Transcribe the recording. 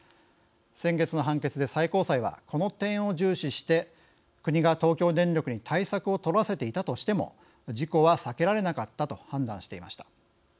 先月の判決で最高裁はこの点を重視して国が東京電力に対策を取らせていたとしても事故は避けられなかったと判断していました。